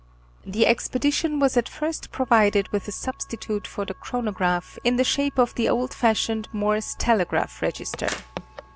The expedition was at first provided with a substitute for the chronograph in the shape of the old fashioned Morse telegraph register.